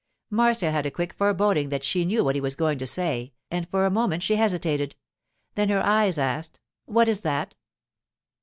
Marcia had a quick foreboding that she knew what he was going to say, and for a moment she hesitated; then her eyes asked: 'What is that?